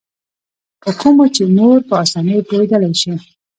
په کومو چې نور په اسانۍ پوهېدلای شي.